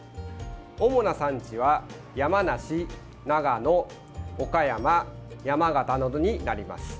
主な産地は山梨、長野、岡山山形などになります。